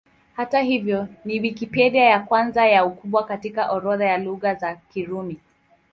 Hata hivyo, ni Wikipedia ya kwanza kwa ukubwa katika orodha ya Lugha za Kirumi.